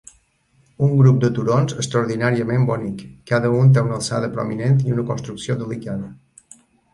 Un grup de turons extraordinàriament bonic, cada un té una alçada prominent i una construcció delicada.